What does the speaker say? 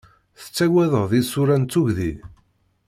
Tettagadeḍ isura n tugdi?